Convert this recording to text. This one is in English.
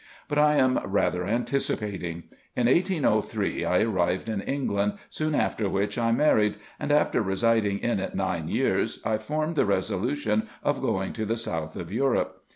But I am rather anticipating. In 1 803 I arrived in England, soon after which I married, and, after residing in it nine years, I formed the resolution of going to the south of Europe.